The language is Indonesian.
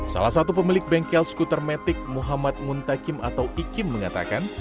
salah satu pemilik bengkel skuter metik muhammad muntakim atau ikim mengatakan